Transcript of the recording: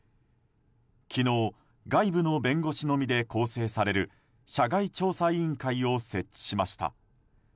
昨日、外部の弁護士のみで構成される社外調査委員会を設置しました。